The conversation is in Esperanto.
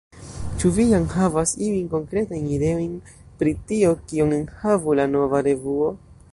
Ĉu vi jam havas iujn konkretajn ideojn pri tio, kion enhavu la nova revuo?